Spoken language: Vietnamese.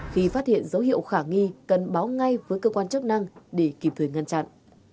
khi phát hiện dấu hiệu khả nghi cần báo ngay với cơ quan chức năng để kịp thời ngăn chặn